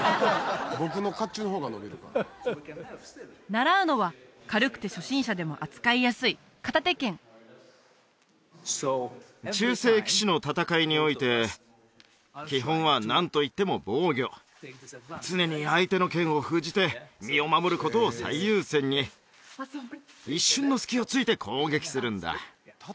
僕の甲冑の方が伸びるから習うのは軽くて初心者でも扱いやすい片手剣中世騎士の戦いにおいて基本は何といっても防御常に相手の剣を封じて身を守ることを最優先に一瞬の隙をついて攻撃するんだ